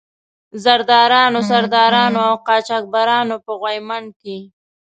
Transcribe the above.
زردارانو، سردارانو او قاچاق برانو په غويمند کې.